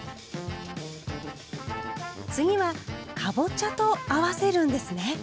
次はかぼちゃと合わせるんですね。